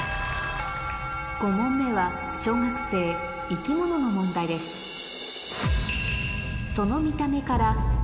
５問目は小学生生き物の問題ですえ。